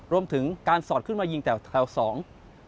รวมถึงการสอดขึ้นมายิงแต่แถวสอง